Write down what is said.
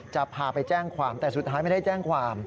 จะพาไปแจ้งความแต่สุดท้ายไม่ได้แจ้งความ